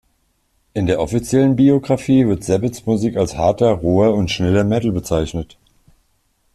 In der offiziellen Biographie wird Sabbats Musik als harter, roher und schneller Metal bezeichnet.